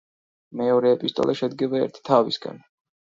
მეორე ეპისტოლე შედგება ერთი თავისაგან.